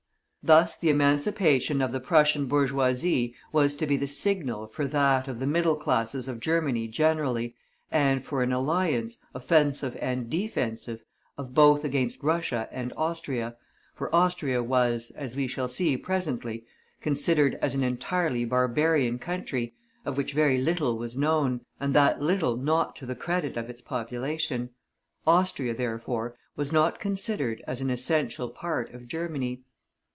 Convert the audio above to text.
Thus the emancipation of the Prussian bourgeoisie was to be the signal for that of the middle classes of Germany generally, and for an alliance, offensive and defensive of both against Russia and Austria, for Austria was, as we shall see presently, considered as an entirely barbarian country, of which very little was known, and that little not to the credit of its population; Austria, therefore, was not considered as an essential part of Germany.